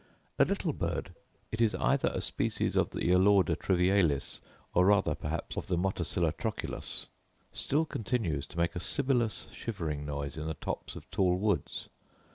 A little bird (it is either a species of the alauda trivialis, or rather perhaps of the motacilla trochilus) still continues to make a sibilous shivering noise in the tops of tall woods.